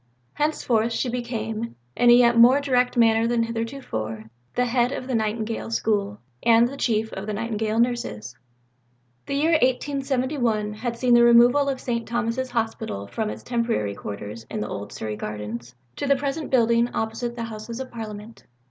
Henceforth she became, in a yet more direct manner than heretofore, the head of the Nightingale School, and the Chief of the Nightingale Nurses. The year 1871 had seen the removal of St. Thomas's Hospital from its temporary quarters in the old Surrey Gardens to the present building opposite the Houses of Parliament.